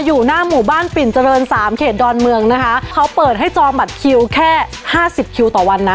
อยู่หน้าหมู่บ้านปิ่นเจริญสามเขตดอนเมืองนะคะเขาเปิดให้จองบัตรคิวแค่ห้าสิบคิวต่อวันนะ